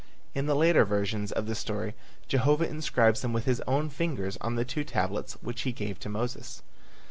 In the later versions of the story Jehovah inscribes them with his own fingers on the two tablets which he gave to Moses.